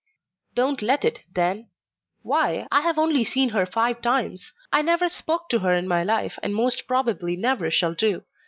"Don't let it then? Why, I have only seen her five times; I never spoke to her in my life, and most probably never shall do.